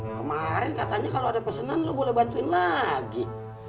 kan katanya kalo ada pesanan lo boleh bantuin lagi